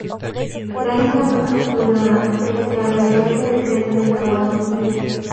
La isla fue capturada pese a la heroica defensa de la guarnición.